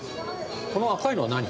この赤いのは何？